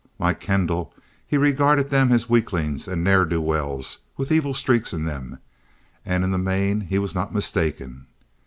Like Kendall, he regarded them as weaklings and ne'er do wells with evil streaks in them, and in the main he was not mistaken.